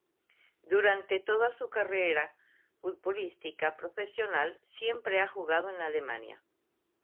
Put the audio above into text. Durante toda su carrera futbolística profesional, siempre ha jugado en Alemania.